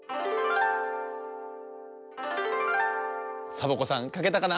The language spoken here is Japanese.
サボ子さんかけたかな？